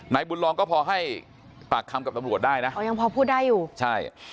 บุญรองก็พอให้ปากคำกับตำรวจได้นะอ๋อยังพอพูดได้อยู่ใช่